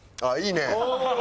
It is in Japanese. あっいいね！